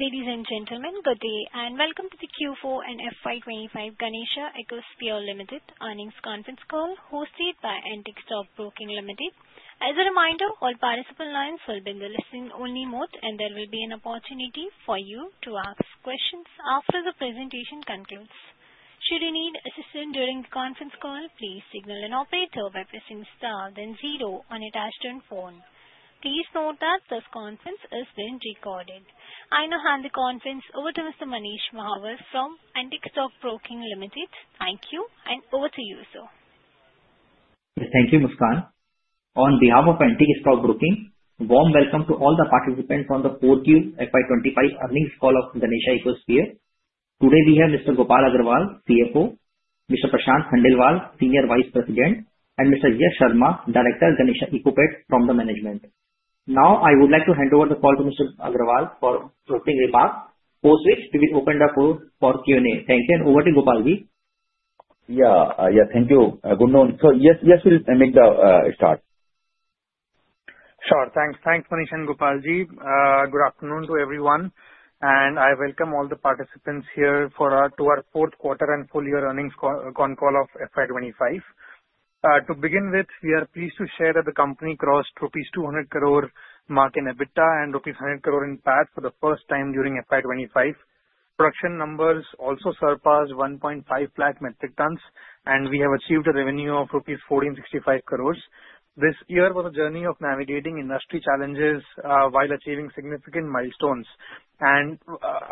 Ladies and gentlemen, good day and welcome to the Q4 and FY 2025 Ganesha Ecosphere Limited earnings conference call hosted by Antique Stock Broking Limited. As a reminder, all participant lines will be in the listening-only mode, and there will be an opportunity for you to ask questions after the presentation concludes. Should you need assistance during the conference call, please signal an operator by pressing star then zero on your dashboard phone. Please note that this conference is being recorded. I now hand the conference over to Mr. Manish Mahawar from Antique Stock Broking Limited. Thank you, and over to you, sir. Thank you, Muskan. On behalf of Antique Stock Broking, warm welcome to all the participants on the 4th Q FY 2025 earnings call of Ganesha Ecosphere. Today, we have Mr. Gopal Agarwal, CFO; Mr. Prashant Khandelwal, Senior Vice President; and Mr. Yash Sharma, Director of Ganesha Ecopet from the management. Now, I would like to hand over the call to Mr. Agarwal for closing remarks, post which we will open the floor for Q&A. Thank you, and over to Gopalji. Yeah, yeah, thank you. Good note. So yes, yes, we'll make the start. Sure. Thanks, Manish and Gopalji. Good afternoon to everyone, and I welcome all the participants here to our 4th quarter and full year earnings con call of FY 2025. To begin with, we are pleased to share that the company crossed the rupees 200 crore mark in EBITDA and rupees 100 crore in PAT for the first time during FY 2025. Production numbers also surpassed 1.5 lakh metric tons, and we have achieved a revenue of rupees 1,465 crores. This year was a journey of navigating industry challenges while achieving significant milestones, and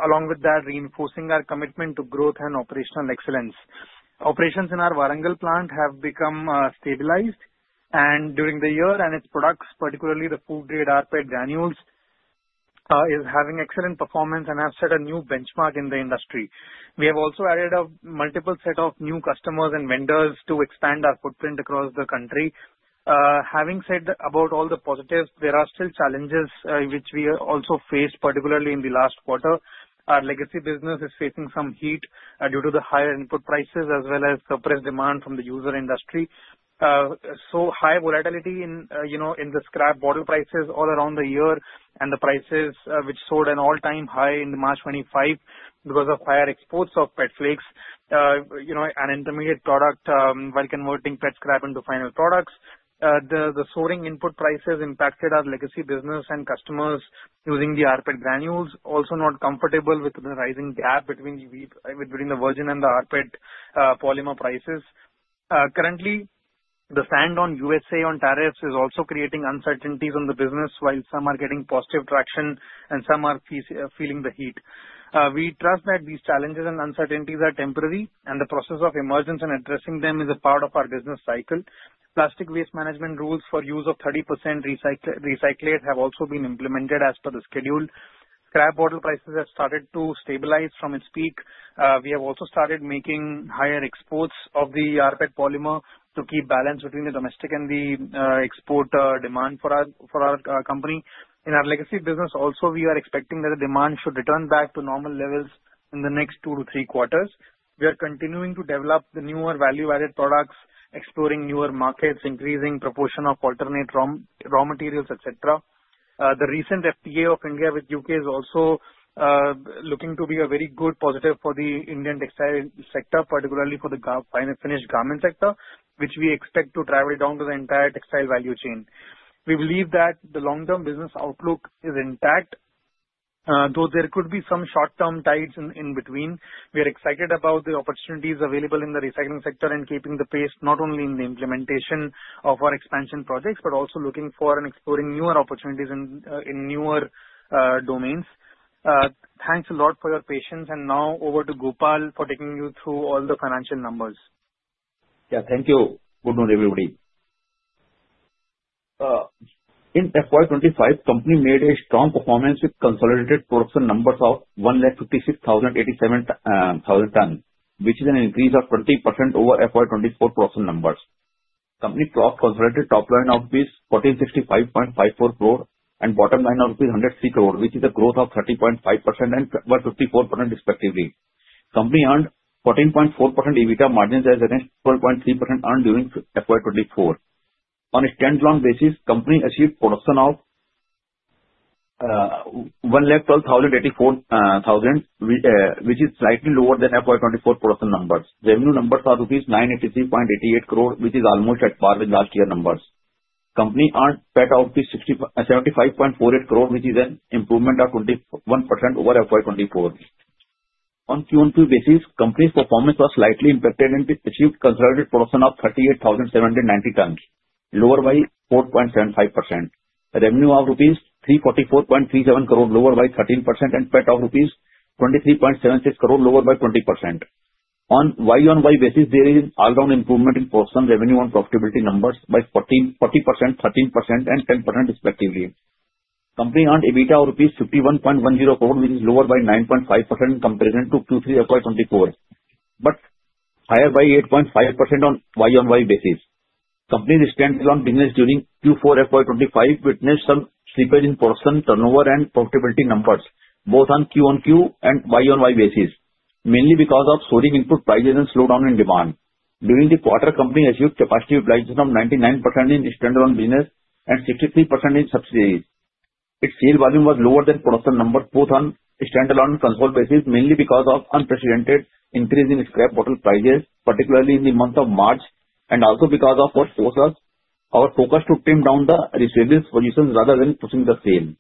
along with that, reinforcing our commitment to growth and operational excellence. Operations in our Warangal plant have become stabilized, and during the year, its products, particularly the food-grade rPET granules, are having excellent performance and have set a new benchmark in the industry. We have also added a multiple set of new customers and vendors to expand our footprint across the country. Having said about all the positives, there are still challenges which we also faced, particularly in the last quarter. Our legacy business is facing some heat due to the higher input prices as well as surplus demand from the user industry, so high volatility in the scrap bottle prices all around the year, and the prices which soared an all-time high in March 2025 because of higher exports of PET flakes and intermediate product while converting PET scrap into final products. The soaring input prices impacted our legacy business and customers using the rPET granules, also not comfortable with the rising gap between the virgin and the rPET polymer prices. Currently, the stand on USA on tariffs is also creating uncertainties in the business, while some are getting positive traction and some are feeling the heat. We trust that these challenges and uncertainties are temporary, and the process of emergence and addressing them is a part of our business cycle. Plastic waste management rules for use of 30% recyclate have also been implemented as per the schedule. Scrap bottle prices have started to stabilize from its peak. We have also started making higher exports of the rPET polymer to keep balance between the domestic and the export demand for our company. In our legacy business, also, we are expecting that the demand should return back to normal levels in the next two to three quarters. We are continuing to develop the newer value-added products, exploring newer markets, increasing proportion of alternate raw materials, etc. The recent FTA of India with the UK is also looking to be a very good positive for the Indian textile sector, particularly for the finished garment sector, which we expect to travel down to the entire textile value chain. We believe that the long-term business outlook is intact, though there could be some short-term tides in between. We are excited about the opportunities available in the recycling sector and keeping the pace not only in the implementation of our expansion projects, but also looking for and exploring newer opportunities in newer domains. Thanks a lot for your patience, and now over to Gopal for taking you through all the financial numbers. Yeah, thank you. Good noon, everybody. In FY 2025, the company made a strong performance with consolidated production numbers of 156,087,000 tons, which is an increase of 20% over FY 2024 production numbers. The company crossed consolidated top line of 1465.54 crore and bottom line of 103 crore, which is a growth of 30.5% and 54% respectively. The company earned 14.4% EBITDA margins against 12.3% earned during FY 2024. On a standalone basis, the company achieved production of 112,084,000, which is slightly lower than FY 2024 production numbers. Revenue numbers are rupees 983.88 crore, which is almost at par with last year's numbers. The company earned PAT of 75.48 crore, which is an improvement of 21% over FY 2024. On a Q2 basis, the company's performance was slightly impacted and achieved consolidated production of 38,790 tons, lower by 4.75%. Revenue of rupees 344.37 crore, lower by 13%, and PAT of rupees 23.76 crore, lower by 20%. On a Y on Y basis, there is an all-round improvement in production revenue and profitability numbers by 40%, 13%, and 10% respectively. The company earned EBITDA of rupees 51.10 crore, which is lower by 9.5% in comparison to Q3 FY 2024, but higher by 8.5% on a Y on Y basis. The company's standalone business during Q4 FY 2025 witnessed some slippage in production turnover and profitability numbers, both on Q on Q and Y on Y basis, mainly because of soaring input prices and slowdown in demand. During the quarter, the company achieved capacity utilization of 99% in standalone business and 63% in subsidiaries. Its sales volume was lower than production numbers, both on standalone and consolidated basis, mainly because of unprecedented increase in scrap bottle prices, particularly in the month of March, and also because of our focus to trim down the receivables position rather than pushing the sale.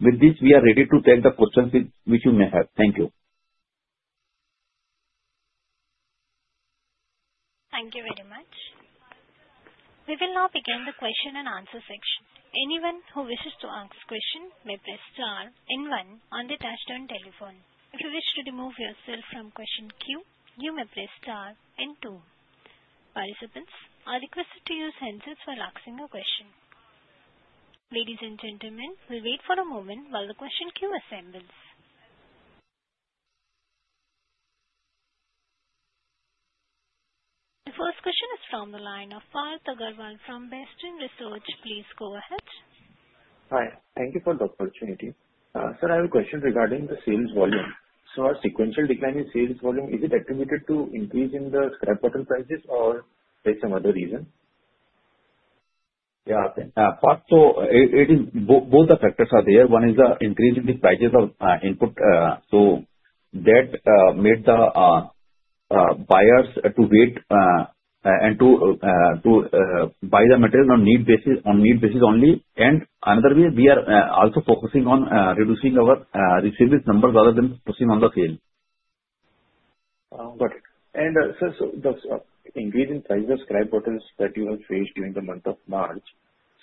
With this, we are ready to take the questions which you may have. Thank you. Thank you very much. We will now begin the question and answer section. Anyone who wishes to ask a question may press star and one on the touch-tone telephone. If you wish to remove yourself from question queue, you may press star and two. Participants are requested to use handsets while asking a question. Ladies and gentlemen, we'll wait for a moment while the question queue assembles. The first question is from the line of Parth Agarwal from Bastion Research. Please go ahead. Hi. Thank you for the opportunity. Sir, I have a question regarding the sales volume. So, our sequential decline in sales volume, is it attributed to an increase in the scrap bottle prices or there is some other reason? Yeah, Parth, so both the factors are there. One is the increase in the prices of input. So that made the buyers wait and to buy the material on need basis only. And another way, we are also focusing on reducing our receivables numbers rather than pushing on the sale. Got it. And sir, so the increase in price of scrap bottles that you have faced during the month of March,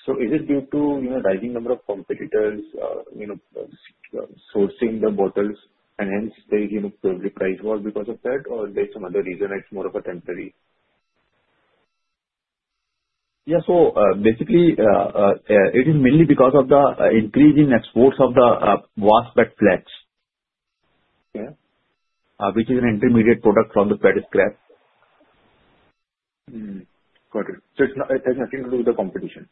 so is it due to rising number of competitors sourcing the bottles and hence the price war because of that, or there is some other reason? It's more of a temporary? Yeah, so basically, it is mainly because of the increase in exports of the waste PET flakes, which is an intermediate product from the PET scrap. Got it. So it has nothing to do with the competition?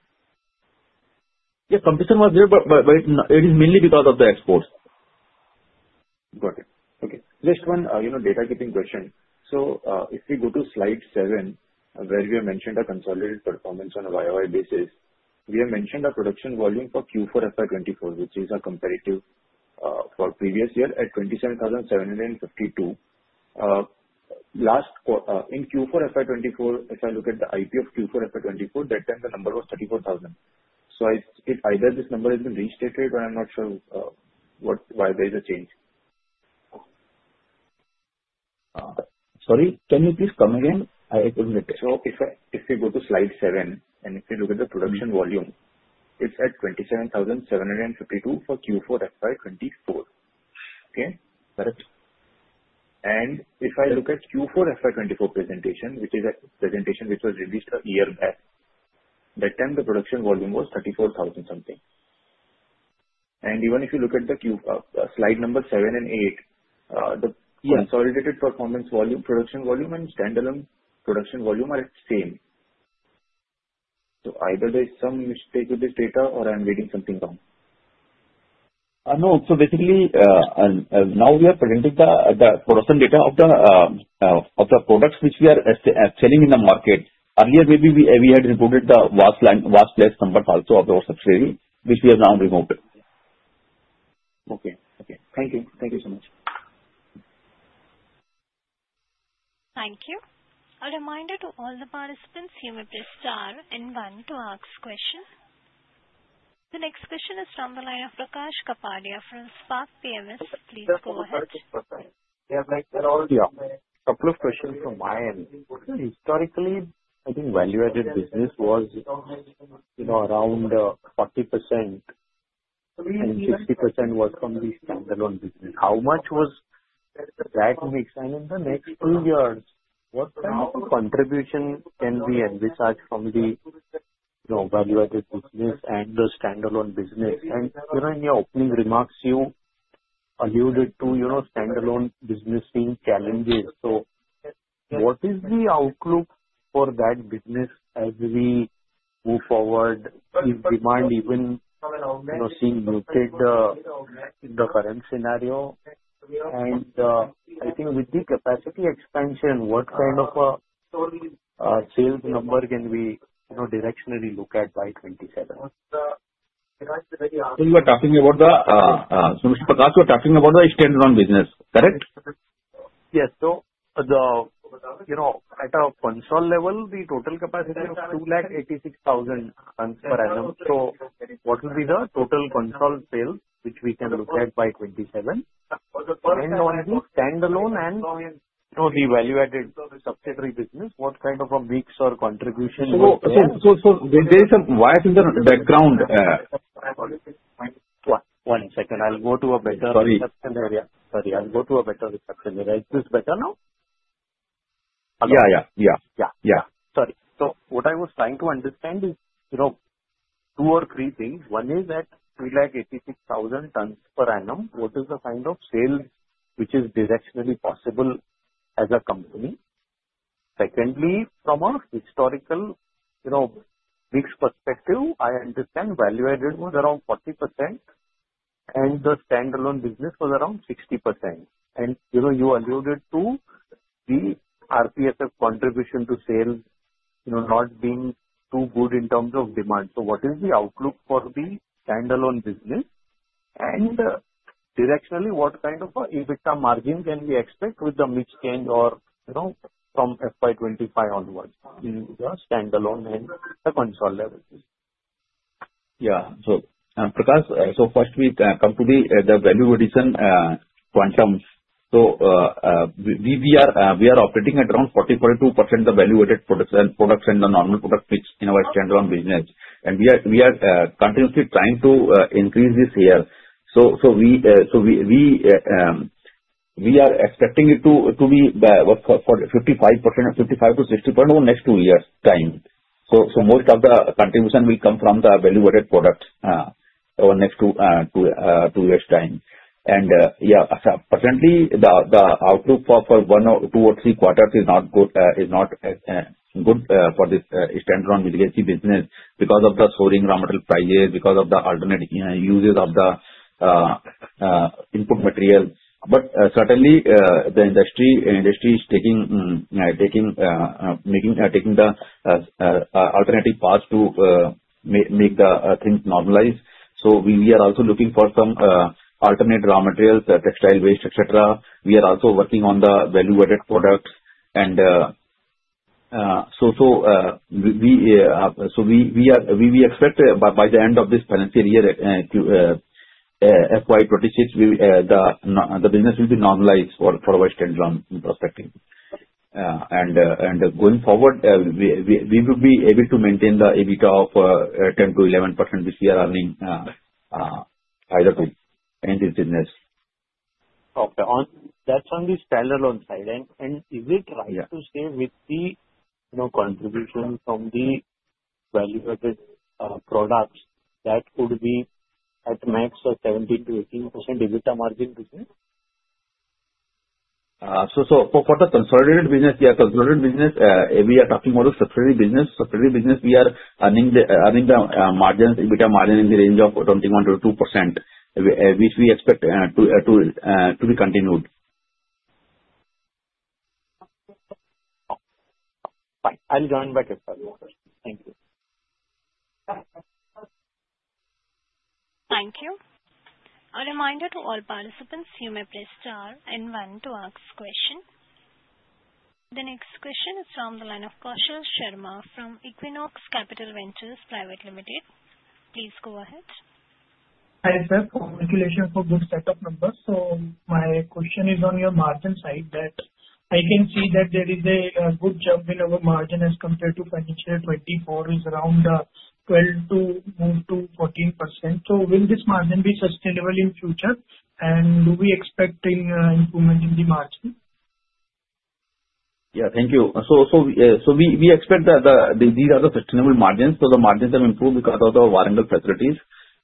Yeah, competition was there, but it is mainly because of the exports. Got it. Okay. Just one data-keeping question. So if we go to slide seven, where we have mentioned a consolidated performance on a YoY basis, we have mentioned a production volume for Q4 FY 2024, which is comparative for previous year at 27,752. In Q4 FY 2024, if I look at the IP of Q4 FY 2024, that time the number was 34,000. So either this number has been restated, or I'm not sure why there is a change. Sorry, can you please come again? I couldn't hear. So if we go to slide seven, and if we look at the production volume, it's at 27,752 for Q4 FY 2024. Okay? Correct. If I look at Q4 FY 2024 presentation, which is a presentation which was released a year back, that time the production volume was 34,000 something. Even if you look at slide number seven and eight, the consolidated production volume and standalone production volume are the same. Either there is some mistake with this data, or I'm reading something wrong. No, so basically, now we are presenting the production data of the products which we are selling in the market. Earlier, maybe we had removed the rPET flakes numbers also of our subsidiary, which we have now removed. Okay. Okay. Thank you. Thank you so much. Thank you. A reminder to all the participants, you may press star and one to ask question. The next question is from the line of Prakash Kapadia from Spark PMS. Please go ahead. Prakash Kapadia, yeah, thanks. They're already up. A couple of questions from my end. Historically, I think value-added business was around 40%, and 60% was from the standalone business. How much was that mix? And in the next two years, what kind of contribution can we envisage from the value-added business and the standalone business? And in your opening remarks, you alluded to standalone business seeing challenges. So what is the outlook for that business as we move forward? Is demand even seeing muted in the current scenario? And I think with the capacity expansion, what kind of sales number can we directionally look at by 2027? Prakash, you were talking about the standalone business. Correct? Yes. So at a consolidated level, the total capacity of 286,000 tons per annum. So what will be the total consolidated sales which we can look at by 2027? And on the standalone and the value-added subsidiary business, what kind of a mix or contribution? There is some voice in the background. One second. I'll go to a better reception area. Sorry. I'll go to a better reception area. Is this better now? Yeah, yeah, yeah. Yeah. Sorry. So what I was trying to understand is two or three things. One is that 286,000 tons per annum, what is the kind of sales which is directionally possible as a company? Secondly, from a historical mix perspective, I understand value-added was around 40%, and the standalone business was around 60%. And you alluded to the RPSF contribution to sales not being too good in terms of demand. So what is the outlook for the standalone business? And directionally, what kind of EBITDA margin can we expect with the mix change from FY 2025 onwards in the standalone and the consolidated level? Yeah. So Prakash, first we come to the value-addition quantums. We are operating at around 40%-42% of the value-added products and the normal product mix in our standalone business. We are continuously trying to increase this year. We are expecting it to be 55%-60% over the next two years' time. Most of the contribution will come from the value-added products over the next two years' time. Yeah, certainly, the outlook for two or three quarters is not good for this standalone business because of the soaring raw material prices, because of the alternate uses of the input material. But certainly, the industry is taking the alternative path to make things normalize. We are also looking for some alternate raw materials, textile waste, etc. We are also working on the value-added products. And so we expect by the end of this financial year, FY 2026, the business will be normalized for our standalone perspective. And going forward, we will be able to maintain the EBITDA of 10%-11% which we are earning either way in this business. Okay. That's on the standalone side. And is it right to say with the contribution from the value-added products that would be at max 17%-18% EBITDA margin? So for the consolidated business, yeah, consolidated business, we are talking more of subsidiary business. Subsidiary business, we are earning the margins, EBITDA margin in the range of 21%-22%, which we expect to be continued. I'll join back as well. Thank you. Thank you. A reminder to all participants, you may press star and one to ask question. The next question is from the line of Prakash Sharma from Equinox Capital Ventures Private Limited. Please go ahead. Hi, sir. Congratulations for good setup numbers. So my question is on your margin side that I can see that there is a good jump in our margin as compared to financial year 2024, is around 12%-14%. So will this margin be sustainable in future? And do we expect an improvement in the margin? Yeah, thank you. So we expect that these are the sustainable margins. So the margins have improved because of the Warangal facilities.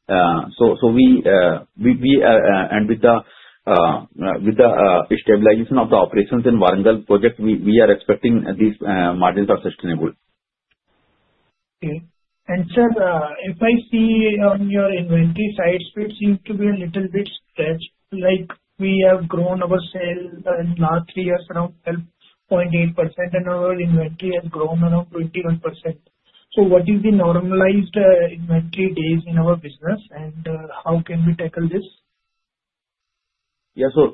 So we are with the stabilization of the operations in Warangal project, we are expecting these margins are sustainable. Okay. And, sir, if I see on your inventory side, it seems to be a little bit stretched. We have grown our sales in the last three years around 12.8%, and our inventory has grown around 21%. So what is the normalized inventory days in our business, and how can we tackle this? Yeah. So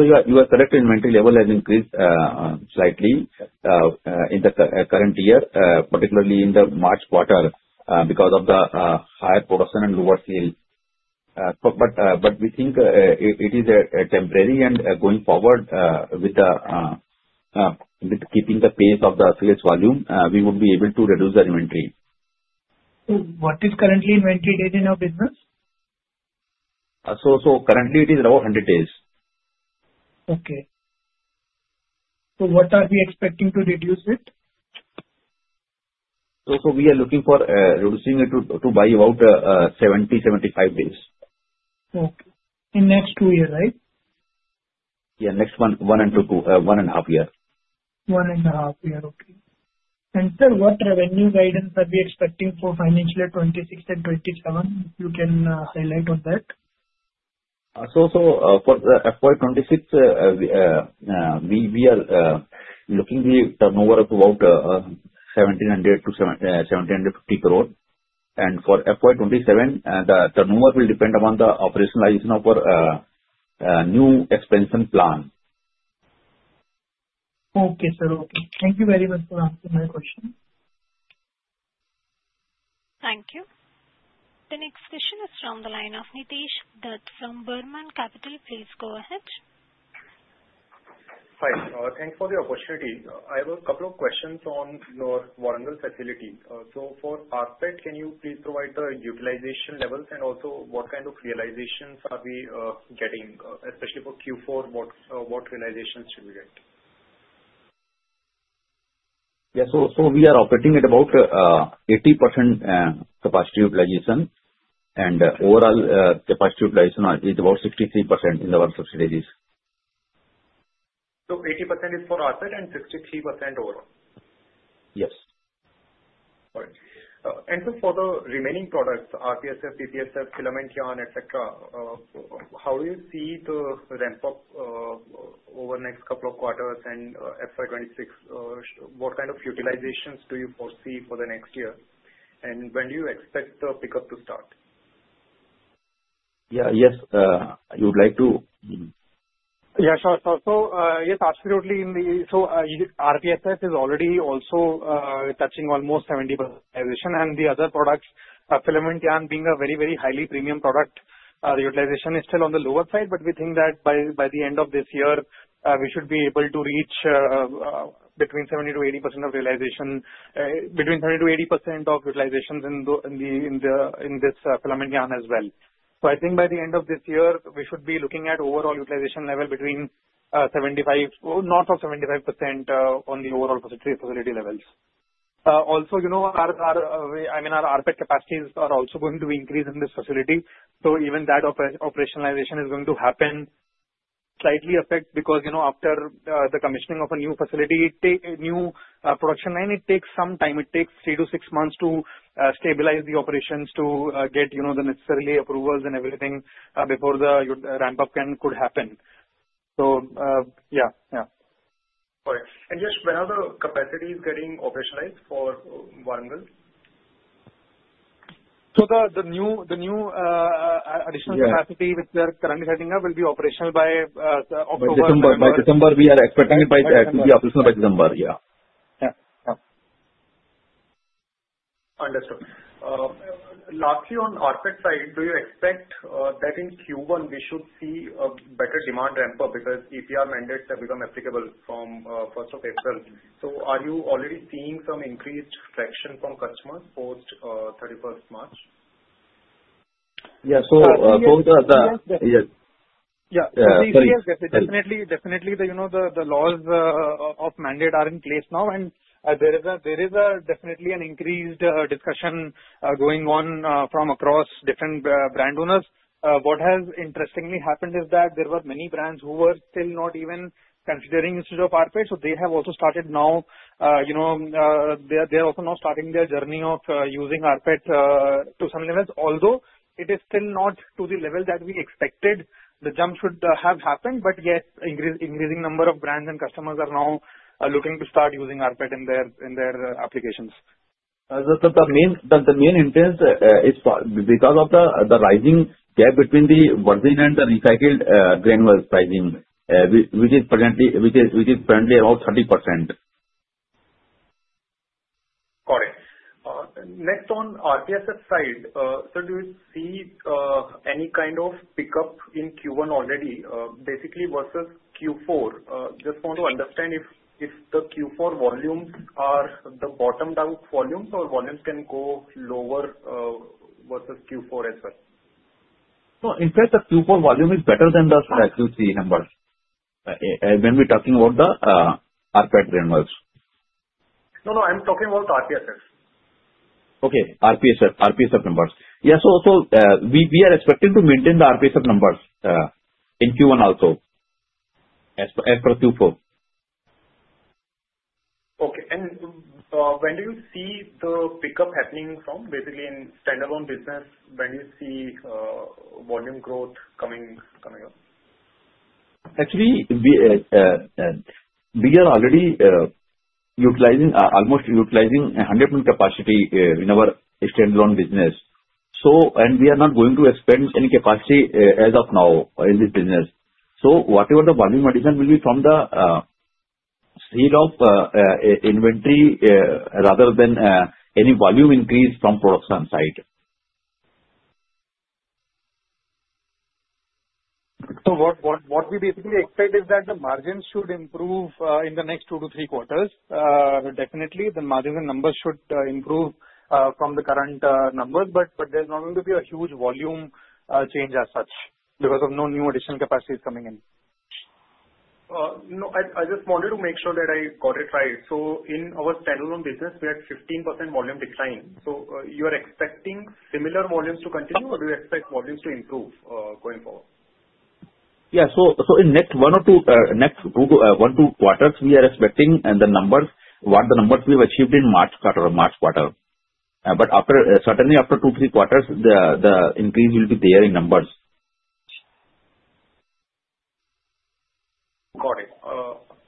you are correct. Inventory level has increased slightly in the current year, particularly in the March quarter because of the higher production and lower sales. But we think it is temporary, and going forward, with keeping the pace of the sales volume, we would be able to reduce the inventory. What is currently inventory days in our business? Currently, it is around 100 days. Okay, so what are we expecting to reduce it? We are looking for reducing it to by about 70-75 days. Okay. In the next two years, right? Yeah, next one and a half year. One and a half years. Okay. And sir, what revenue guidance are we expecting for financial year 2026 and 2027? If you can highlight on that. So for FY 2026, we are looking the turnover of about 1,700-1,750 crore. And for FY 2027, the turnover will depend upon the operationalization of our new expansion plan. Okay, sir. Okay. Thank you very much for asking my question. Thank you. The next question is from the line of Nitesh Dutt from Burman Capital. Please go ahead. Hi. Thanks for the opportunity. I have a couple of questions on your Warangal facility. So for rPET, can you please provide the utilization levels and also what kind of realizations are we getting, especially for Q4? What realizations should we get? Yeah. So we are operating at about 80% capacity utilization, and overall capacity utilization is about 63% in our subsidiaries. 80% is for rPET and 63% overall? Yes. All right. And so for the remaining products, RPSF, PPSF, filament yarn, etc., how do you see the ramp-up over the next couple of quarters and FY 2026? What kind of utilizations do you foresee for the next year? And when do you expect the pickup to start? Yeah. Yes. You would like to? Yeah, sure. So yes, absolutely. So RPSF is already also touching almost 70% realization, and the other products, filament yarn, being a very, very highly premium product, the utilization is still on the lower side. But we think that by the end of this year, we should be able to reach between 70%-80% of realization, between 70%-80% of utilizations in this filament yarn as well. So I think by the end of this year, we should be looking at overall utilization level between 75, not of 75% on the overall facility levels. Also, I mean, our rPET capacities are also going to increase in this facility. So even that operationalization is going to happen. Slightly affect because after the commissioning of a new facility, new production line, it takes some time. It takes three to six months to stabilize the operations to get the necessary approvals and everything before the ramp-up could happen, so yeah, yeah. All right, and just when are the capacities getting operationalized for Warangal? The new additional capacity which we are currently setting up will be operational by October. We are expecting it to be operational by December, yeah. Yeah. Yeah. Understood. Lastly, on rPET side, do you expect that in Q1, we should see a better demand ramp-up because EPR mandates have become applicable from 1st of April? So are you already seeing some increased traction from customers post-31st March? Yeah. So post-. Yes. Yeah. So yes, definitely, the laws or mandate are in place now, and there is definitely an increased discussion going on from across different brand owners. What has interestingly happened is that there were many brands who were still not even considering the use of rPET. So they have also started now. They are also now starting their journey of using rPET to some levels, although it is still not to the level that we expected. The jump should have happened, but yes, increasing number of brands and customers are now looking to start using rPET in their applications. The main interest is because of the rising gap between the virgin and the recycled granule pricing, which is currently around 30%. Got it. Next, on RPSF side, so do you see any kind of pickup in Q1 already, basically versus Q4? Just want to understand if the Q4 volumes are the bottomed out volumes or volumes can go lower versus Q4 as well? No, in fact, the Q4 volume is better than the. Actually, the numbers when we're talking about the rPET granule values? No, no. I'm talking about RPSF. Okay. RPSF numbers. Yeah. So we are expecting to maintain the RPSF numbers in Q1 also as per Q4. Okay, and when do you see the pickup happening from, basically, in standalone business? When do you see volume growth coming up? Actually, we are already almost utilizing 100% capacity in our standalone business, and we are not going to expand any capacity as of now in this business, so whatever the volume addition will be from the sale of inventory rather than any volume increase from production side. So what we basically expect is that the margins should improve in the next two to three quarters. Definitely, the marginal numbers should improve from the current numbers, but there's not going to be a huge volume change as such because of no new additional capacity coming in. I just wanted to make sure that I got it right. So in our standalone business, we had 15% volume decline. So you are expecting similar volumes to continue, or do you expect volumes to improve going forward? Yeah. So in next one or two quarters, we are expecting the numbers, what the numbers we have achieved in March quarter. But certainly, after two to three quarters, the increase will be there in numbers. Got it.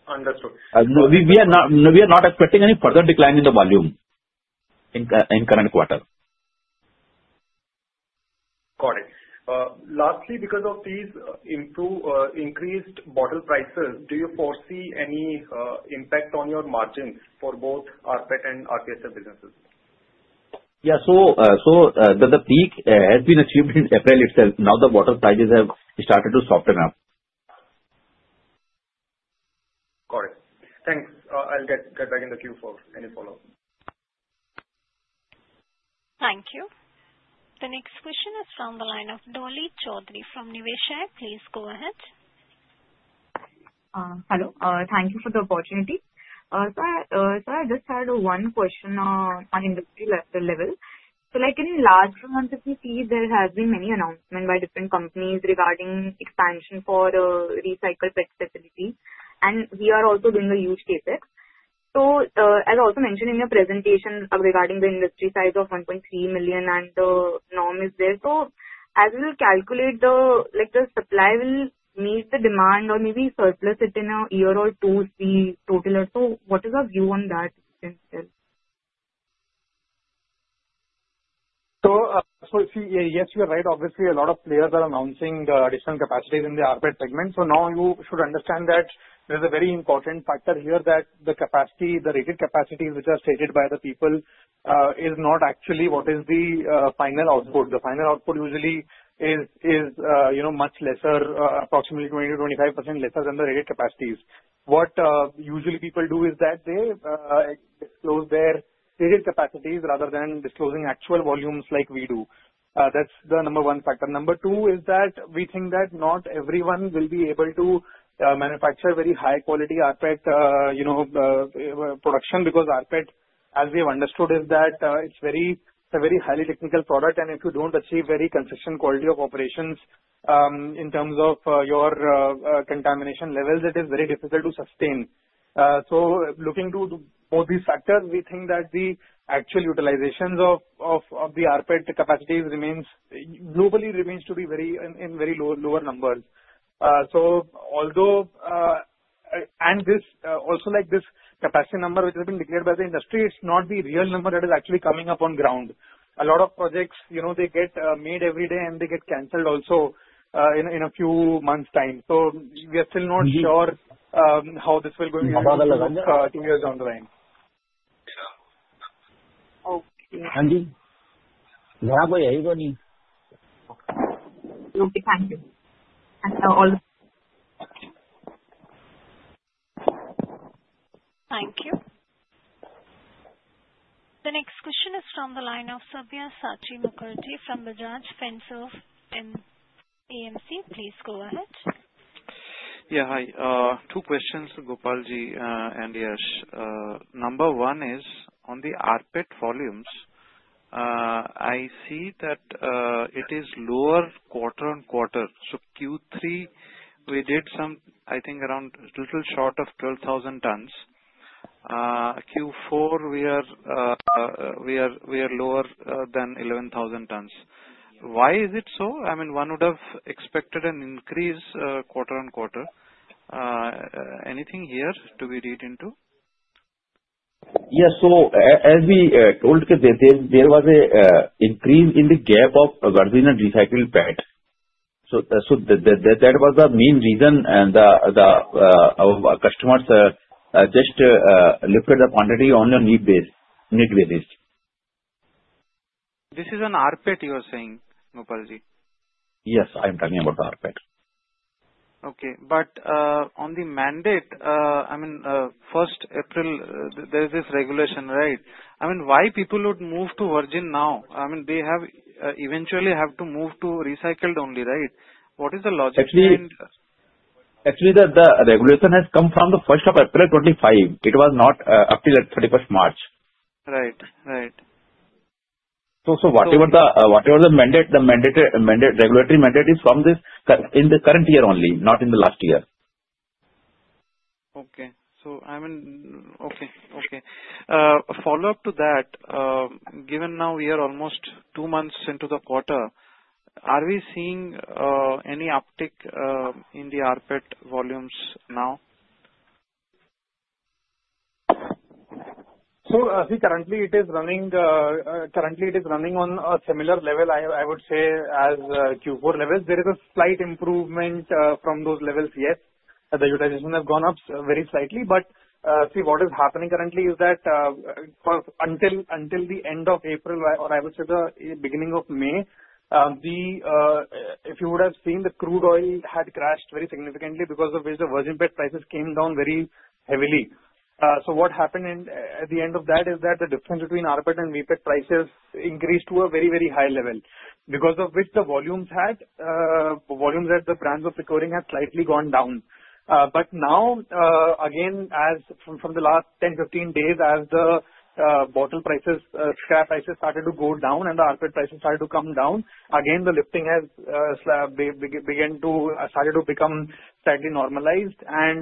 Understood. We are not expecting any further decline in the volume in current quarter. Got it. Lastly, because of these increased bottle prices, do you foresee any impact on your margins for both rPET and RPSF businesses? Yeah. So the peak has been achieved in April itself. Now the bottle prices have started to soften up. Got it. Thanks. I'll get back in the queue for any follow-up. Thank you. The next question is from the line of Dolly Choudhury from Niveshaay. Please go ahead. Hello. Thank you for the opportunity. So I just had one question on industry level. So in the last few months, if you see, there has been many announcements by different companies regarding expansion for recycled PET facilities. And we are also doing a huge CapEx. So as I also mentioned in your presentation regarding the industry size of 1.3 million and the norm is there. So as we will calculate the supply, we'll meet the demand or maybe surplus it in a year or two to see total or so. What is your view on that? So yes, you're right. Obviously, a lot of players are announcing the additional capacities in the rPET segment. So now you should understand that there is a very important factor here that the capacity, the rated capacities which are stated by the people, is not actually what is the final output. The final output usually is much lesser, approximately 20%-25% lesser than the rated capacities. What usually people do is that they disclose their rated capacities rather than disclosing actual volumes like we do. That's the number one factor. Number two is that we think that not everyone will be able to manufacture very high-quality rPET production because rPET, as we have understood, is that it's a very highly technical product. And if you don't achieve very consistent quality of operations in terms of your contamination levels, it is very difficult to sustain. Looking to both these factors, we think that the actual utilizations of the rPET capacities globally remain to be in very lower numbers. Also this capacity number which has been declared by the industry, it's not the real number that is actually coming up on ground. A lot of projects, they get made every day and they get canceled also in a few months' time. We are still not sure how this will go in two years down the line. Okay. Okay. Thank you. The next question is from the line of Sabyasachi Mukherjee from Bajaj Finserv AMC. Please go ahead. Yeah. Hi. Two questions, Gopalji and Yash. Number one is on the rPET volumes. I see that it is lower quarter on quarter. So Q3, we did some, I think, around a little short of 12,000 tons. Q4, we are lower than 11,000 tons. Why is it so? I mean, one would have expected an increase quarter on quarter. Anything here to be read into? Yeah. So as we told, there was an increase in the gap of virgin and recycled PET. So that was the main reason, and our customers just looked at the quantity only on need basis. This is on rPET you are saying, Gopalji? Yes. I am talking about rPET. Okay. But on the mandate, I mean, 1st April, there is this regulation, right? I mean, why people would move to virgin now? I mean, they eventually have to move to recycled only, right? What is the logic behind? Actually, the regulation has come from the 1st of April 2025. It was not up till 31st March. Right. Right. Whatever the mandate, the regulatory mandate is from the current year only, not in the last year. Okay. So I mean, follow-up to that, given now we are almost two months into the quarter, are we seeing any uptick in the rPET volumes now? So see, currently, it is running on a similar level, I would say, as Q4 levels. There is a slight improvement from those levels, yes. The utilization has gone up very slightly. But see, what is happening currently is that until the end of April, or I would say the beginning of May, if you would have seen, the crude oil had crashed very significantly because of which the virgin PET prices came down very heavily. So what happened at the end of that is that the difference between rPET and VPET prices increased to a very, very high level because of which the volumes at the brands of recycling have slightly gone down. But now, again, from the last 10, 15 days, as the bottle prices, scrap prices started to go down and the rPET prices started to come down, again, the lifting has started to become slightly normalized.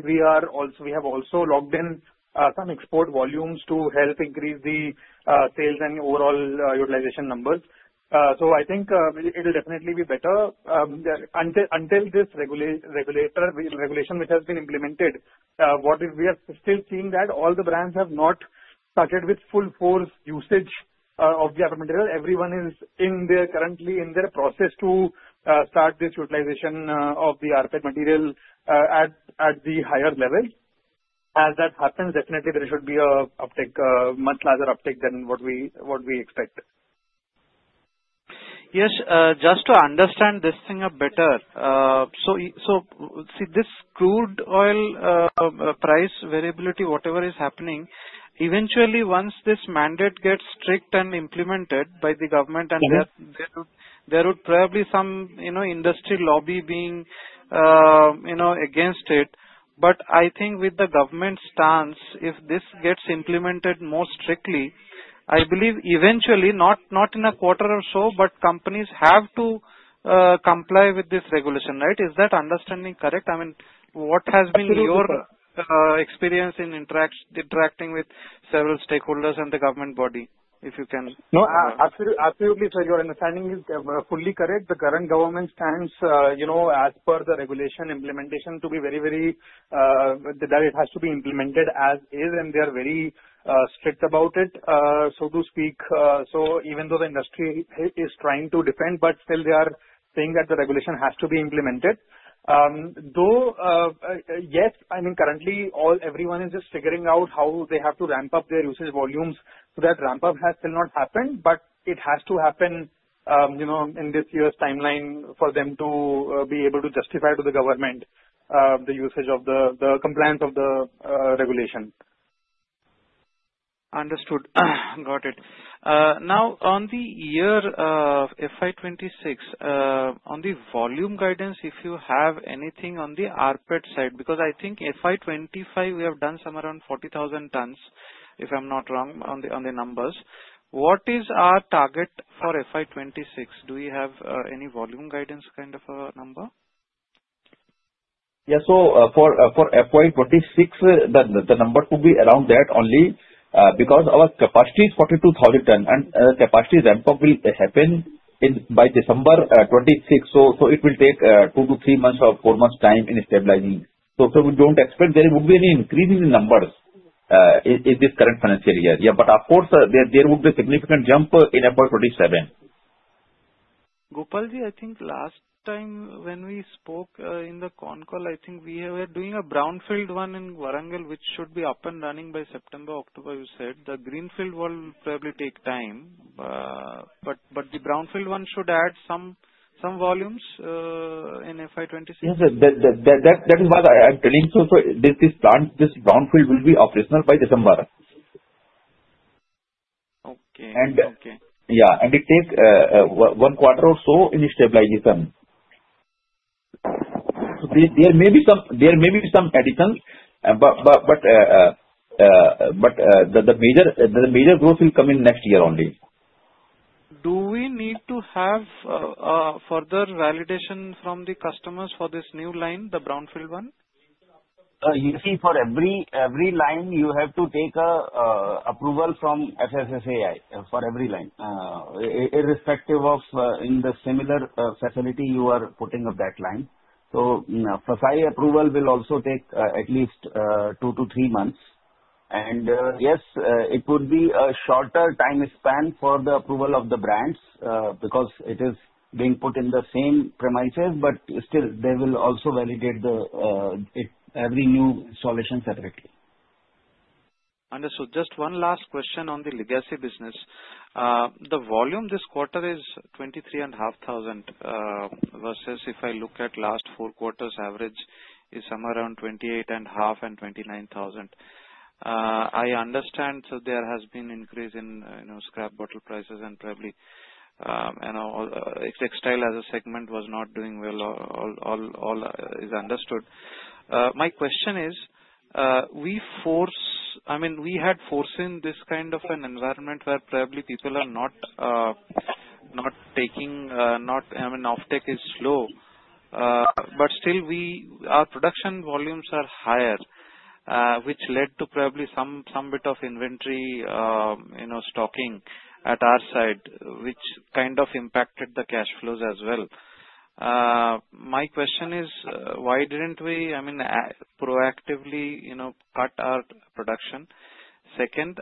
We have also locked in some export volumes to help increase the sales and overall utilization numbers. I think it will definitely be better. Until this regulatory regulation which has been implemented, we are still seeing that all the brands have not started with full force usage of the rPET material. Everyone is currently in their process to start this utilization of the rPET material at the higher level. As that happens, definitely, there should be a much larger uptick than what we expect. Yes. Just to understand this thing better, so see, this crude oil price variability, whatever is happening, eventually, once this mandate gets strict and implemented by the government, and there would probably be some industry lobby being against it, but I think with the government's stance, if this gets implemented more strictly, I believe eventually, not in a quarter or so, but companies have to comply with this regulation, right? Is that understanding correct? I mean, what has been your experience in interacting with several stakeholders and the government body, if you can? No. Absolutely. So your understanding is fully correct. The current government stands, as per the regulation implementation, to be very, very that it has to be implemented as is, and they are very strict about it, so to speak. So even though the industry is trying to defend, but still, they are saying that the regulation has to be implemented. Though, yes, I mean, currently, everyone is just figuring out how they have to ramp up their usage volumes. So that ramp-up has still not happened, but it has to happen in this year's timeline for them to be able to justify to the government the usage of the compliance of the regulation. Understood. Got it. Now, on the year FY 2026, on the volume guidance, if you have anything on the rPET side, because I think FY 2025, we have done some around 40,000 tons, if I'm not wrong, on the numbers. What is our target for FY 2026? Do we have any volume guidance kind of a number? Yeah. So for FY 2026, the number could be around that only because our capacity is 42,000 tons, and capacity ramp-up will happen by December 2026. So it will take two to three months or four months' time in stabilizing. So we don't expect there would be any increase in the numbers in this current financial year. Yeah. But of course, there would be a significant jump in FY 2027. Gopalji, I think last time when we spoke in the con call, I think we were doing a brownfield one in Warangal, which should be up and running by September, October, you said. The greenfield will probably take time. But the brownfield one should add some volumes in FY 2026? Yes. That is what I am telling. So this Brownfield will be operational by December. Okay. Okay. And yeah. And it takes one quarter or so in stabilization. So there may be some additions, but the major growth will come in next year only. Do we need to have further validation from the customers for this new line, the brownfield one? You see, for every line, you have to take approval from FSSAI for every line, irrespective of in the similar facility you are putting up that line. So FSSAI approval will also take at least two to three months. And yes, it would be a shorter time span for the approval of the brands because it is being put in the same premises. But still, they will also validate every new installation separately. Understood. Just one last question on the legacy business. The volume this quarter is 23,500 versus if I look at last four quarters' average is somewhere around 28,500 and 29,000. I understand there has been an increase in scrap bottle prices and probably textile as a segment was not doing well. All is understood. My question is, I mean, we had force in this kind of an environment where probably people are not taking, I mean, offtake is slow. But still, our production volumes are higher, which led to probably some bit of inventory stocking at our side, which kind of impacted the cash flows as well. My question is, why didn't we, I mean, proactively cut our production? Second,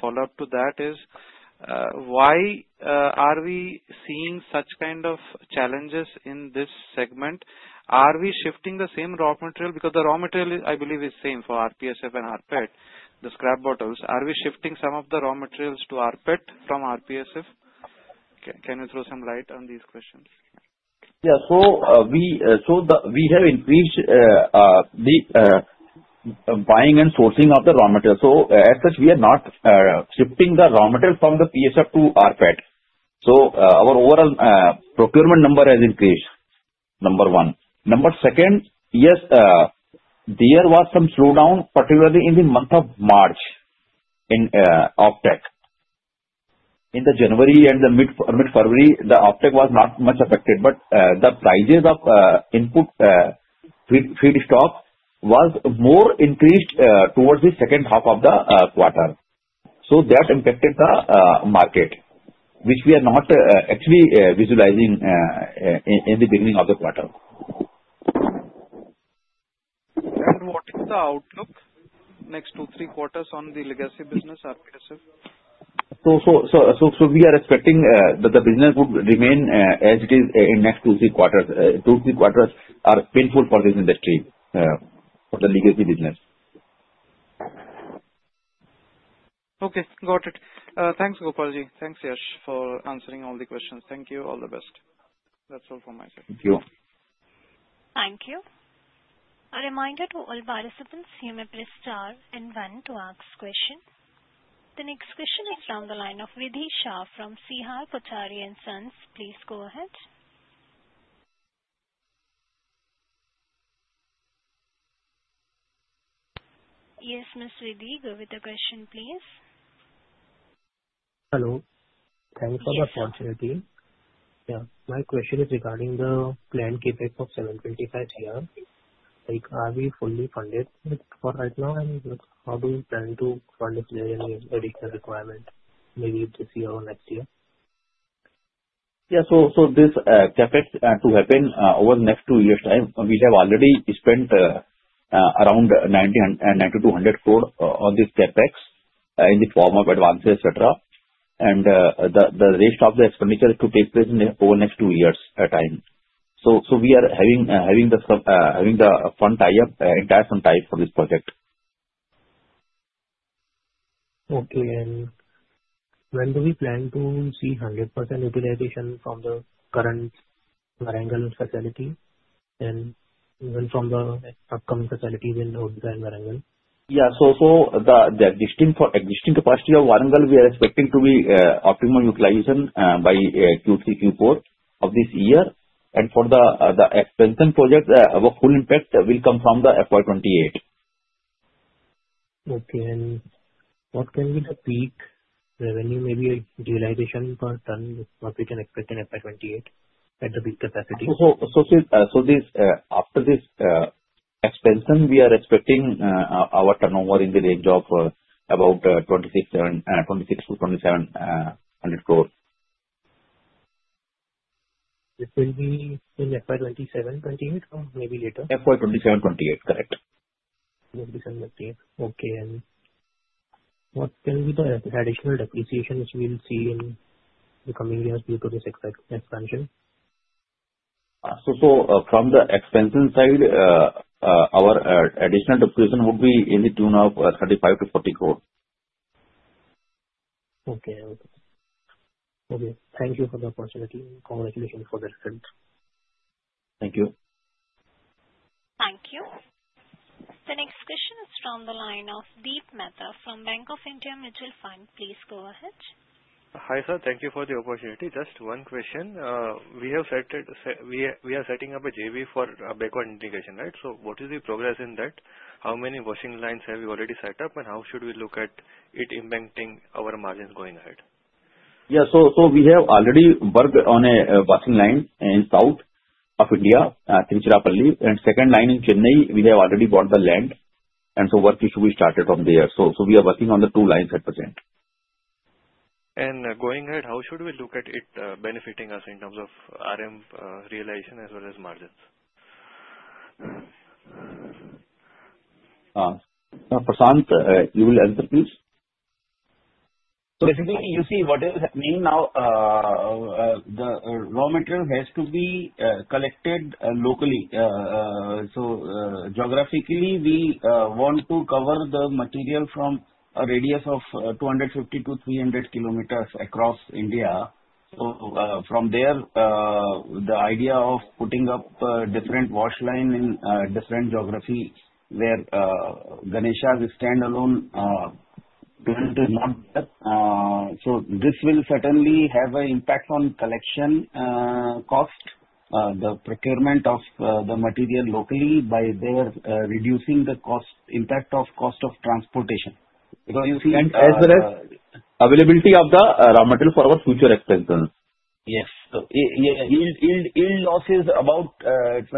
follow-up to that is, why are we seeing such kind of challenges in this segment? Are we shifting the same raw material? Because the raw material, I believe, is the same for RPSF and rPET, the scrap bottles. Are we shifting some of the raw materials to rPET from RPSF? Can you throw some light on these questions? Yeah. So we have increased the buying and sourcing of the raw material. So as such, we are not shifting the raw material from the PSF to rPET. So our overall procurement number has increased, number one. Number second, yes, there was some slowdown, particularly in the month of March in offtake in the January and mid-February. The offtake was not much affected, but the prices of input feedstock was more increased towards the second half of the quarter. So that impacted the market, which we are not actually visualizing in the beginning of the quarter. What is the outlook next two to three quarters on the legacy business, RPSF? So we are expecting that the business would remain as it is in next two to three quarters. Two to three quarters are painful for this industry, for the legacy business. Okay. Got it. Thanks, Gopalji. Thanks, Yash, for answering all the questions. Thank you. All the best. That's all from my side. Thank you. Thank you. A reminder to all participants here may press star and one to ask question. The next question is from the line of Vidisha from Sarda Pookhraj & Sons. Please go ahead. Yes, Ms. Vidhi, go with the question, please. Hello. Thanks for the opportunity. Yeah. My question is regarding the planned EPCG of 725 here. Are we fully funded for right now? And how do we plan to fund if there is any additional requirement, maybe this year or next year? Yeah. So this EPCG to happen over the next two years' time, we have already spent around 90-100 crore on this EPCG in the form of advances, etc. And the rest of the expenditure is to take place over the next two years' time. So we are having the fund tie-up, entire fund tie-up for this project. Okay, and when do we plan to see 100% utilization from the current Warangal facility, and even from the upcoming facility in Old Bend, Warangal? Yeah, so the existing capacity of Warangal, we are expecting to be optimal utilization by Q3, Q4 of this year, and for the expansion project, our full impact will come from the FY28. Okay. What can be the peak revenue, maybe utilization per ton that we can expect in FY28 at the peak capacity? After this expansion, we are expecting our turnover in the range of about 26-2,700 crore. It will be in FY 2027, 2028, or maybe later? FY 2027, 2028. Correct. FY 2027, 2028. Okay. And what can be the additional depreciation which we will see in the coming years due to this expansion? So from the expansion side, our additional depreciation would be to the tune of 35-40 crore. Okay. Thank you for the opportunity. Congratulations for the result. Thank you. Thank you. The next question is from the line of Deep Mehta from Bank of India Mutual Fund. Please go ahead. Hi sir. Thank you for the opportunity. Just one question. We are setting up a JV for backward integration, right? So what is the progress in that? How many washing lines have we already set up, and how should we look at it impacting our margins going ahead? Yeah. So we have already worked on a washing line in South of India, Tiruchirappalli. And second line in Chennai, we have already bought the land. And so work should be started from there. So we are working on the two lines at present. Going ahead, how should we look at it benefiting us in terms of RM realization as well as margins? Prashant, you will answer, please. So basically, you see what is happening now, the raw material has to be collected locally. So geographically, we want to cover the material from a radius of 250-300 km across India. So from there, the idea of putting up different wash lines in different geographies where Ganesha's standalone plant is not there. So this will certainly have an impact on collection cost, the procurement of the material locally by reducing the impact of cost of transportation. Because you see. As well as availability of the raw material for our future expansion. Yes. Yield loss is about 22%-23%.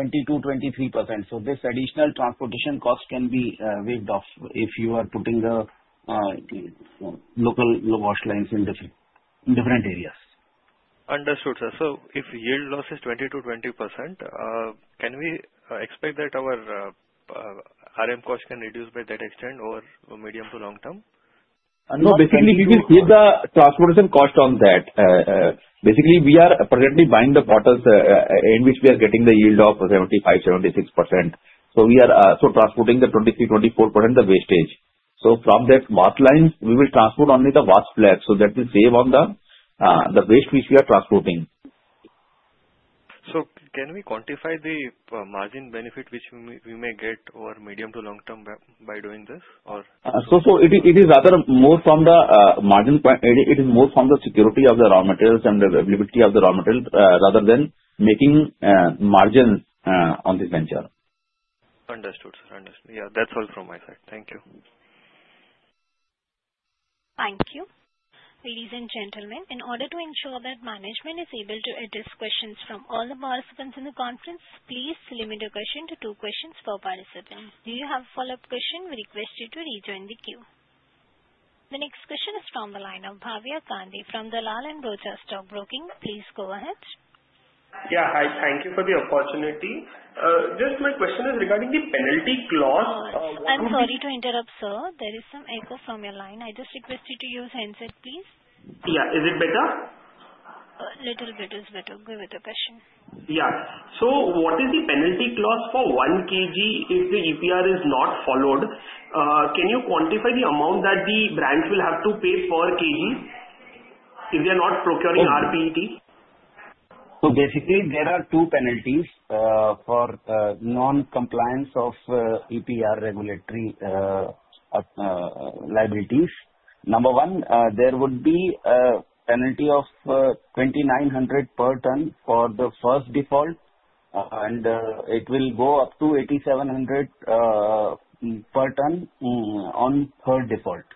So this additional transportation cost can be waived off if you are putting the local wash lines in different areas. Understood, sir. So if yield loss is 20%-20%, can we expect that our RM cost can reduce by that extent over medium to long term? No. Basically, we will see the transportation cost on that. Basically, we are presently buying the bottles in which we are getting the yield of 75%-76%. So we are transporting the 23%-24%, the wastage. So from that washing lines, we will transport only the washed flakes. So that will save on the waste which we are transporting. So can we quantify the margin benefit which we may get over medium to long term by doing this, or? So it is rather more from the margin. It is more from the security of the raw materials and the availability of the raw materials rather than making margin on this venture. Understood, sir. Understood. Yeah. That's all from my side. Thank you. Thank you. Ladies and gentlemen, in order to ensure that management is able to address questions from all the participants in the conference, please limit your question to two questions per participant. Do you have a follow-up question? We request you to rejoin the queue. The next question is from the line of Bhavya Gandhi from Dalal & Broacha Stock Broking. Please go ahead. Yeah. Hi. Thank you for the opportunity. Just my question is regarding the penalty clause. I'm sorry to interrupt, sir. There is some echo from your line. I just request you to use handset, please. Yeah. Is it better? A little bit is better. Go with the question. Yeah. So what is the penalty clause for one kg if the EPR is not followed? Can you quantify the amount that the brands will have to pay per kg if they are not procuring RPET? So basically, there are two penalties for non-compliance of EPR regulatory liabilities. Number one, there would be a penalty of 2,900 per ton for the first default, and it will go up to 8,700 per ton on third default.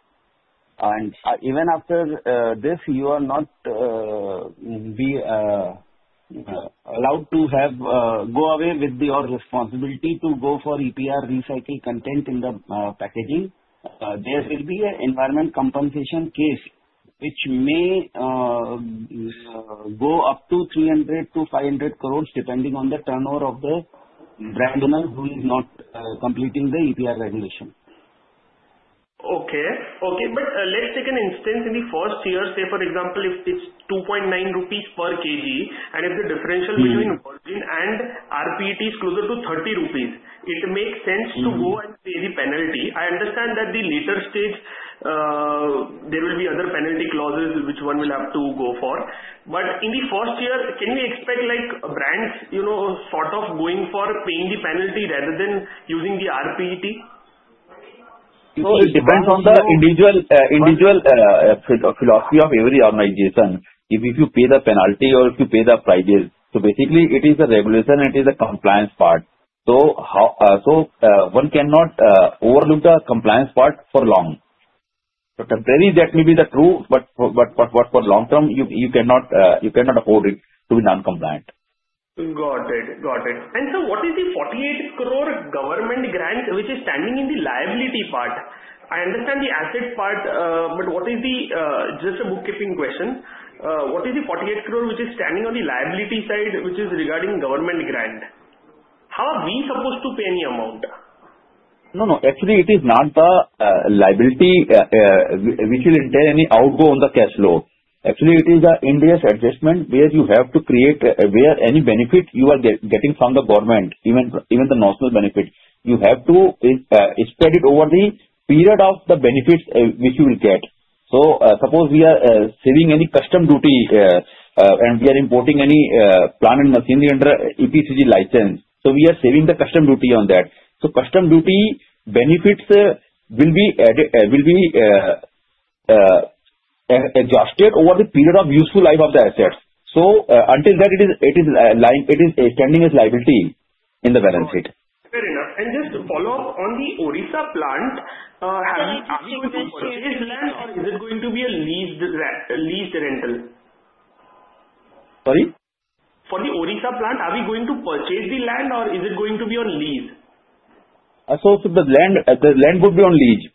And even after this, you are not allowed to go away with your responsibility to go for EPR recycled content in the packaging. There will be an environmental compensation case which may go up to 300-500 crores depending on the turnover of the brand owner who is not completing the EPR regulation. Okay. Okay. But let's take an instance in the first year. Say for example, if it's 2.9 rupees per kg, and if the differential between virgin and RPET is closer to 30 rupees, it makes sense to go and pay the penalty. I understand that the later stage, there will be other penalty clauses which one will have to go for. But in the first year, can we expect brands sort of going for paying the penalty rather than using the RPET? It depends on the individual philosophy of every organization. If you pay the penalty or if you pay the price. Basically, it is the regulation, and it is the compliance part. One cannot overlook the compliance part for long. Temporarily, that may be true, but for long term, you cannot afford it to be non-compliant. Got it. Got it. And sir, what is the 48 crore government grant which is standing in the liability part? I understand the asset part, but what is the - just a bookkeeping question - what is the 48 crore which is standing on the liability side which is regarding government grant? How are we supposed to pay any amount? No, no. Actually, it is not the liability which will enter any outgo on the cash flow. Actually, it is the Ind AS adjustment where you have to create where any benefit you are getting from the government, even the notional benefit. You have to spread it over the period of the benefits which you will get. So suppose we are saving any customs duty, and we are importing any plant and machinery under EPCG license. So we are saving the customs duty on that. So customs duty benefits will be exhausted over the period of useful life of the assets. So until then, it is standing as liability in the balance sheet. Very good. And just to follow up on the Odisha plant, are we going to purchase land, or is it going to be a leased rental? Sorry? For the Odisha plant, are we going to purchase the land, or is it going to be on lease? The land would be on lease.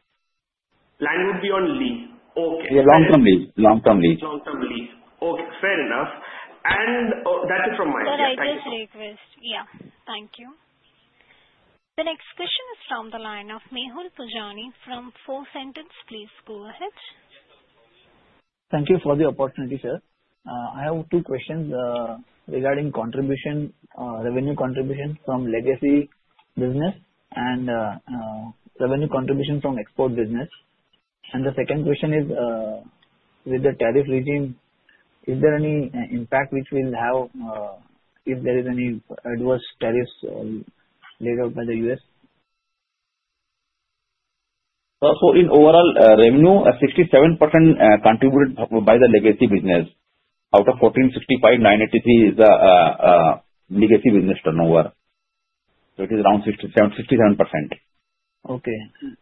Land would be on lease. Okay. Yeah. Long-term lease. Long-term lease. Long-term lease. Okay. Fair enough, and that's it from my side. Thank you. Thank you. Yeah. Thank you. The next question is from the line of Mehul Pujani from 4 Cents, please go ahead. Thank you for the opportunity, sir. I have two questions regarding contribution, revenue contribution from legacy business and revenue contribution from export business. And the second question is, with the tariff regime, is there any impact which we'll have if there is any adverse tariffs laid out by the U.S.? In overall revenue, 67% contributed by the legacy business. Out of 1465, 983 is the legacy business turnover. It is around 67%. Okay.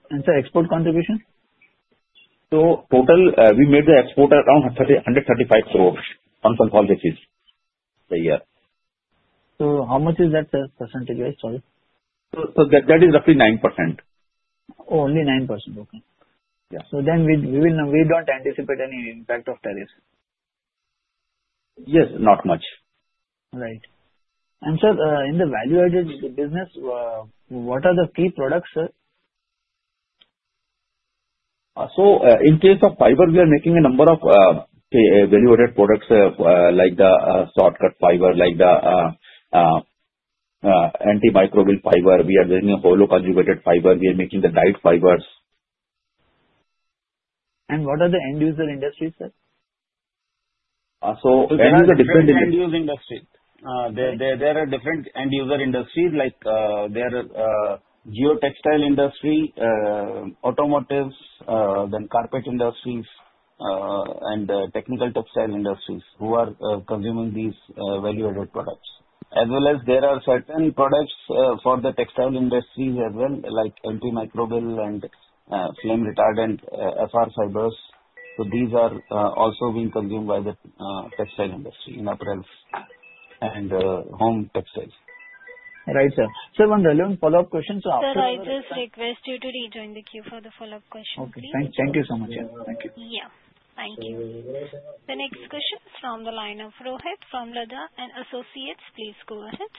And sir, export contribution? So total, we made the export around 135 crore on consolidations per year. So how much is that, sir? Percentage, right? Sorry. That is roughly 9%. Only 9%. Okay, so then we don't anticipate any impact of tariffs? Yes. Not much. Right. And sir, in the value-added business, what are the key products, sir? So in case of fiber, we are making a number of value-added products like the short-cut fiber, like the antimicrobial fiber. We are doing a hollow conjugated fiber. We are making the dyed fibers. What are the end-user industries, sir? end user different. What are the end-user industries? There are different end-user industries like their geotextile industry, automotive, then carpet industries, and technical textile industries who are consuming these value-added products. As well as, there are certain products for the textile industries as well, like antimicrobial and flame-retardant FR fibers. So these are also being consumed by the textile industry in apparel and home textiles. Right, sir. Sir, one relevant follow-up question. Sir, I just request you to rejoin the queue for the follow-up question. Okay. Thank you so much, sir. Thank you. Yeah. Thank you. The next question is from the line of Rohit from Laddha & Associates. Please go ahead.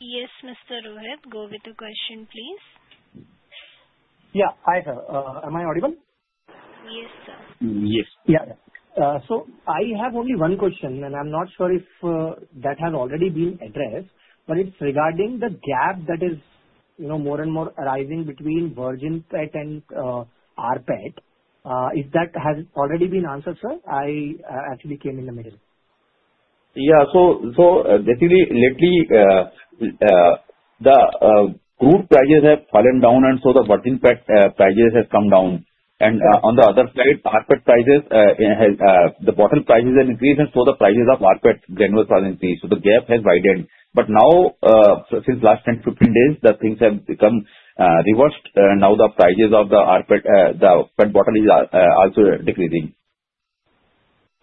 Yes, Mr. Rohit, go with the question, please. Yeah. Hi, sir. Am I audible? Yes, sir. Yes. Yeah. So I have only one question, and I'm not sure if that has already been addressed, but it's regarding the gap that is more and more arising between virgin PET and rPET. Has that already been answered, sir? I actually came in the middle. Yeah. So basically, lately, the crude prices have fallen down, and so the Virgin PET prices have come down. And on the other side, RPET prices, the bottle prices have increased, and so the prices of RPET granules have increased. So the gap has widened. But now, since the last 10, 15 days, the things have become reversed. Now, the prices of the RPET, the PET bottle, are also decreasing.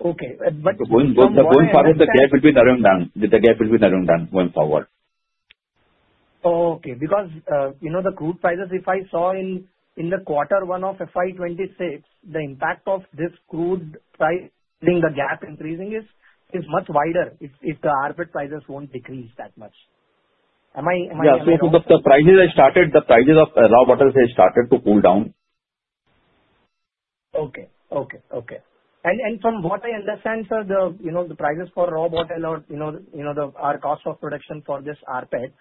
Okay. But. Going forward, the gap will be narrowing down. The gap will be narrowing down going forward. Okay. Because the crude prices, if I saw in the quarter one of FY 2026, the impact of this crude price, meaning the gap increasing, is much wider if the RPET prices won't decrease that much. Am I understanding? Yeah, so because the prices have started, the prices of raw bottles have started to cool down. Okay. And from what I understand, sir, the prices for raw bottle or our cost of production for this RPET,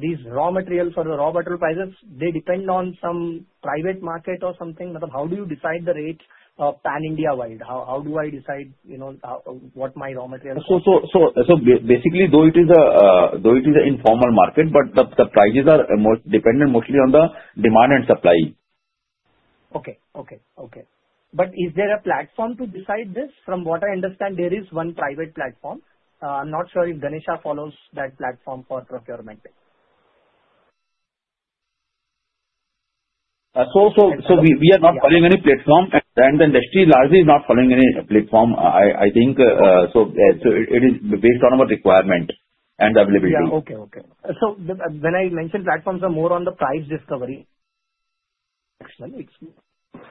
these raw material for the raw bottle prices, they depend on some private market or something? How do you decide the rates pan-India-wide? How do I decide what my raw material? So basically, though it is an informal market, but the prices are dependent mostly on the demand and supply. Okay, but is there a platform to decide this? From what I understand, there is one private platform. I'm not sure if Ganesha follows that platform for procurement. We are not following any platform. The industry largely is not following any platform, I think. It is based on our requirement and availability. Yeah. Okay. So, when I mentioned platforms are more on the price discovery,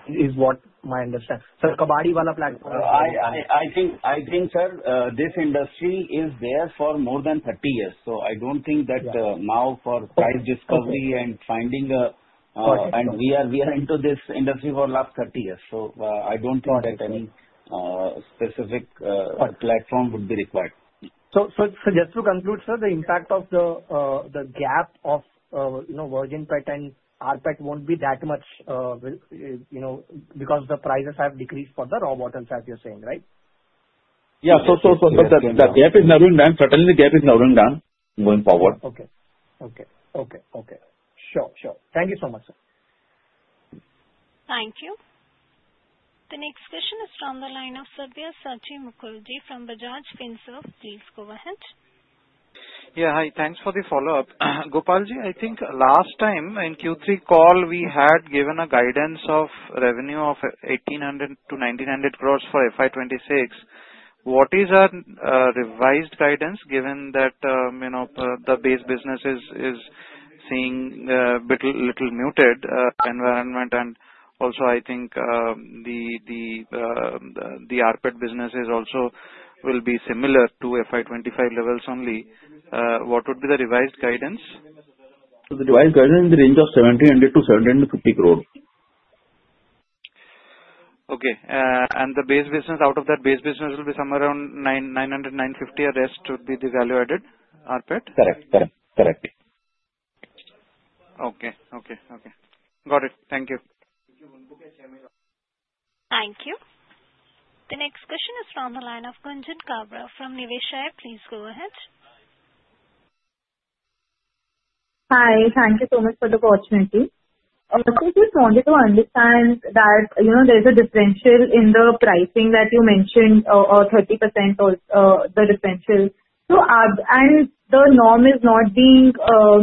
is what my understanding. Sir, Kabadiwala platform. I think, sir, this industry is there for more than 30 years. So I don't think that now for price discovery and finding a, and we are into this industry for the last 30 years. So I don't think that any specific platform would be required. So just to conclude, sir, the impact of the gap of virgin PET and RPET won't be that much because the prices have decreased for the raw bottles, as you're saying, right? Yeah. So the gap is narrowing down. Certainly, the gap is narrowing down going forward. Okay. Okay. Okay. Okay. Sure. Sure. Thank you so much, sir. Thank you. The next question is from the line of Sabyasachi Mukherjee from Bajaj Finserv AMC. Please go ahead. Yeah. Hi. Thanks for the follow-up. Gopalji, I think last time in Q3 call, we had given a guidance of revenue of 1,800-1,900 crores for FY 2026. What is our revised guidance given that the base business is seeing a little muted environment? And also, I think the RPET businesses also will be similar to FY 2025 levels only. What would be the revised guidance? So the revised guidance is in the range of 7,800 crore-7,850 crore. Okay, and the base business out of that base business will be somewhere around 900, 950, and the rest would be the value-added RPET? Correct. Correct. Correct. Okay. Okay. Okay. Got it. Thank you. Thank you. The next question is from the line of Gunjan Kabra from Niveshaay. Please go ahead. Hi. Thank you so much for the opportunity. So just wanted to understand that there's a differential in the pricing that you mentioned, 30% or the differential. And the norm is not being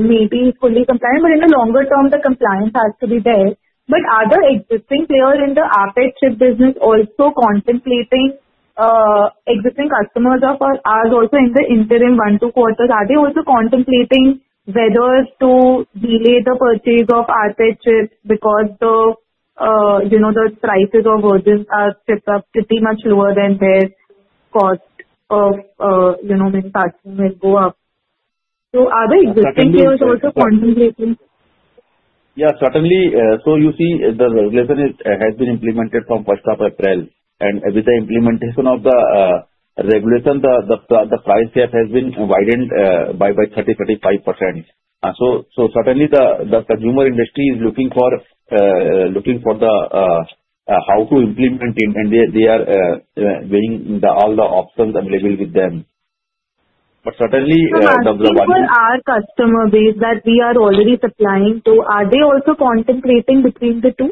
maybe fully compliant, but in the longer term, the compliance has to be there. But are the existing players in the RPET chip business also contemplating existing customers of ours also in the interim one to four terms? Are they also contemplating whether to delay the purchase of RPET chips because the prices of virgin chips are pretty much lower than their cost of manufacturing will go up? So are the existing players also contemplating? Yeah. Certainly. So you see, the regulation has been implemented from first of April. And with the implementation of the regulation, the price gap has been widened by 30%-35%. So certainly, the consumer industry is looking for how to implement it, and they are weighing all the options available with them. But certainly, the. Based on our customer base that we are already supplying to, are they also contemplating between the two?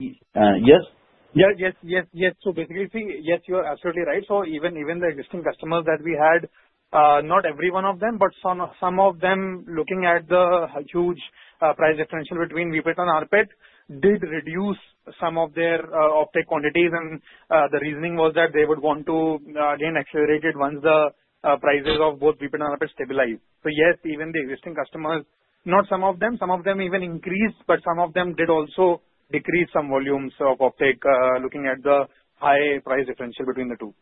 Yes. So basically, you see, yes, you are absolutely right. So even the existing customers that we had, not every one of them, but some of them looking at the huge price differential between virgin PET and rPET did reduce some of their offtake quantities, and the reasoning was that they would want to again accelerate it once the prices of both virgin PET and rPET stabilize. So yes, even the existing customers, not some of them, some of them even increased, but some of them did also decrease some volumes of offtake looking at the high price differential between the two.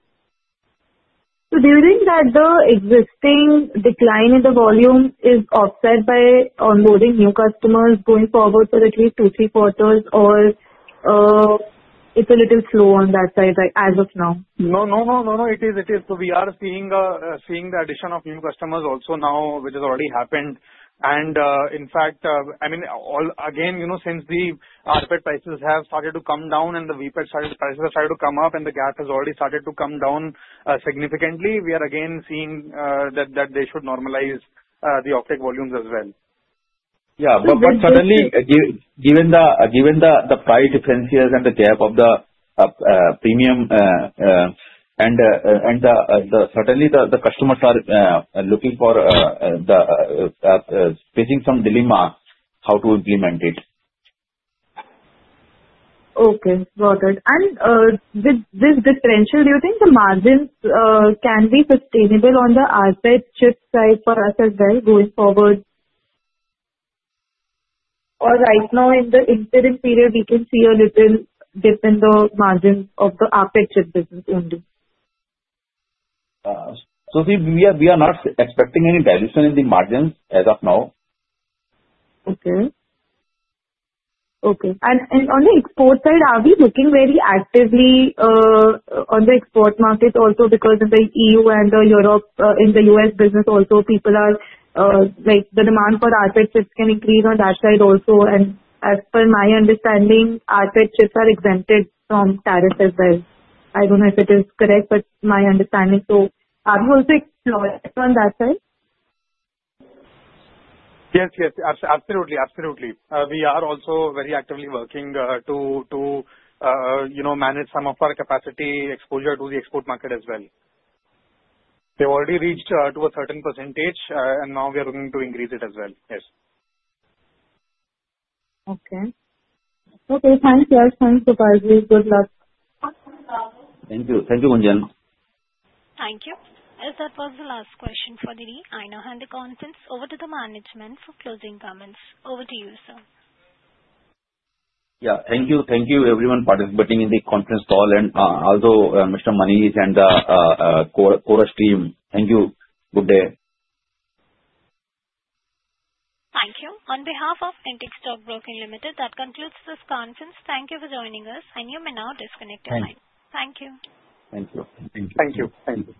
So do you think that the existing decline in the volume is offset by onboarding new customers going forward for at least two, three quarters, or it's a little slow on that side as of now? No, no, no, no, no. It is. It is. So we are seeing the addition of new customers also now, which has already happened. And in fact, I mean, again, since the rPET prices have started to come down and the vPET prices have started to come up and the gap has already started to come down significantly, we are again seeing that they should normalize the rPET volumes as well. Yeah. But certainly, given the price differences and the gap of the premium, and certainly, the customers are facing some dilemma how to implement it. Okay. Got it. And with this differential, do you think the margins can be sustainable on the RPET chip side for us as well going forward? Or right now, in the interim period, we can see a little dip in the margins of the RPET chip business only? So we are not expecting any dilution in the margins as of now. Okay. And on the export side, are we looking very actively on the export market also because of the EU and the Europe in the U.S. business also? People are the demand for RPET chips can increase on that side also. And as per my understanding, RPET chips are exempted from tariffs as well. I don't know if it is correct, but my understanding. So are we also exploring on that side? Yes. Yes. Absolutely. Absolutely. We are also very actively working to manage some of our capacity exposure to the export market as well. They've already reached to a certain percentage, and now we are going to increase it as well. Yes. Okay. Okay. Thank you. Thanks, Gopalji. Good luck. Thank you. Thank you, Gunjan. Thank you. That was the last question for the day. I now hand the conference over to the management for closing comments. Over to you, sir. Yeah. Thank you. Thank you, everyone, for participating in the conference call. And also, Mr. Manish and Kabra Team, thank you. Good day. Thank you. On behalf of Antique Stock Broking Limited, that concludes this conference. Thank you for joining us. And you may now disconnect the line. Thank you. Thank you. Thank you. Thank you.